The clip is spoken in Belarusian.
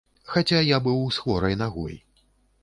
Хаця я быў з хворай нагой.